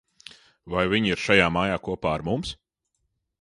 Vai viņa ir šajā mājā kopā ar mums?